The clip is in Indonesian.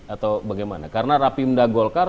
atau bagaimana karena rapimda golkar